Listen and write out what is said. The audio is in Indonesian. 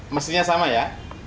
mestinya sama ya